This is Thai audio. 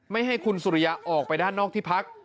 ให้คุณสุริยาออกไปด้านนอกที่พัก